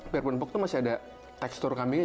biarpun pook itu masih ada tekstur kambingnya